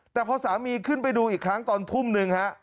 แต่พอสามีขึ้นไปดูอีกครั้งตอนทุ่มหนึ่งฮะ